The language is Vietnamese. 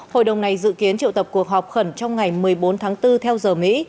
hội đồng này dự kiến triệu tập cuộc họp khẩn trong ngày một mươi bốn tháng bốn theo giờ mỹ